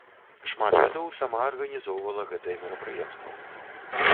Шмат гадоў сама арганізоўвала гэтае мерапрыемства.